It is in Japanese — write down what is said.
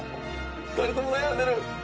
２人とも悩んでる。